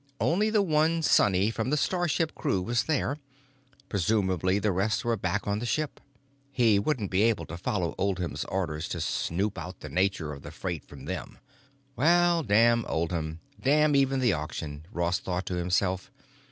Only the one Sonny from the starship crew was there; presumably the rest were back on the ship. He wouldn't be able to follow Oldham's orders to snoop out the nature of the freight from them. Well, damn Oldham; damn even the auction, Ross thought to himself.